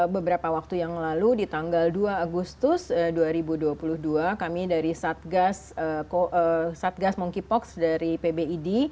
beberapa waktu yang lalu di tanggal dua agustus dua ribu dua puluh dua kami dari satgas monkeypox dari pbid